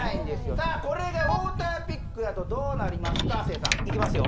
さあこれがウォーターピックやとどうなりますか亜生さんいきますよ